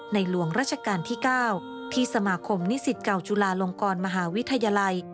หลวงราชการที่๙ที่สมาคมนิสิตเก่าจุฬาลงกรมหาวิทยาลัย